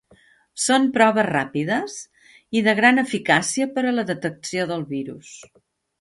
Són proves ràpides i de gran eficàcia per a la detecció del virus.